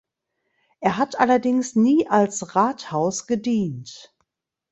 Er hat allerdings nie als Rathaus gedient.